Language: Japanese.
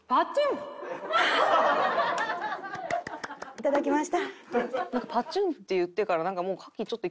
いただきました。